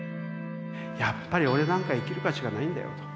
やっぱり俺なんか生きる価値がないんだよと。